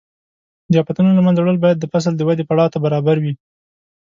د آفتونو له منځه وړل باید د فصل د ودې پړاو ته برابر وي.